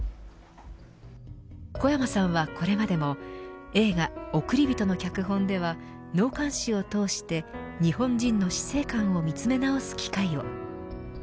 小山さんはこれまでも映画おくりびとの脚本では納棺師を通して日本人の死生観を見つめ直す機会を。